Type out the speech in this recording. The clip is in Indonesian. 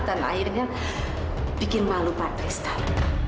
dan akhirnya bikin malu pak tristan